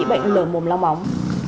bệnh lở mồm long móng